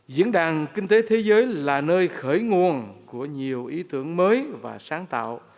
diễn đàn kinh tế thế giới là nơi khởi nguồn của nhiều ý tưởng mới và sáng tạo